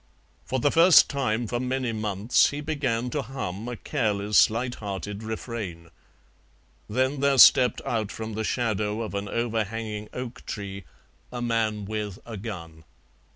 For the first time for many months he began to hum a careless lighthearted refrain. Then there stepped out from the shadow of an overhanging oak tree a man with a gun.